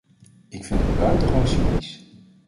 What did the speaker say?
Ik vind dat buitengewoon cynisch.